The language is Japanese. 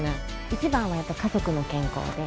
一番はやっぱ家族の健康で。